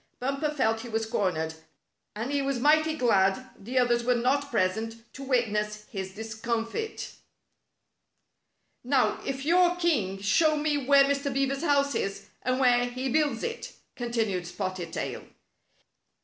Bumper felt he was cornered, and he was mighty glad the others were not present to wit ness his discomfit. Spotted Tail Shows Enmiiy 35 "Now, if you're king, show me where Mr. Beaver's house is, and where he builds it!" con tinued Spotted Tail.